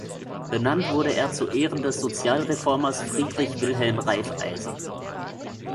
Benannt wurde er zur Ehren des Sozialreformers Friedrich Wilhelm Raiffeisen.